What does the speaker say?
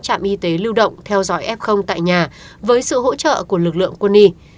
trạm y tế lưu động theo dõi f tại nhà với sự hỗ trợ của lực lượng quân y